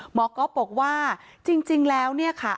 ก๊อฟบอกว่าจริงแล้วเนี่ยค่ะ